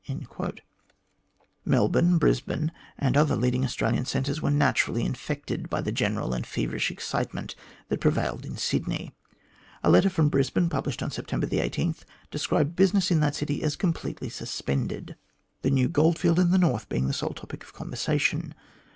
Melbourne, Brisbane, and other leading Australian centres were naturally infected by the general and feverish excite ment that prevailed in Sydney. A letter from Brisbane, published on September 18, described business in that city as completely suspended, the new goldfield in the North being the sole topic of conversation.